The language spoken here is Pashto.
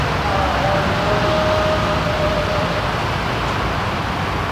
هم ښکنځل هم بد او رد یې اورېدله -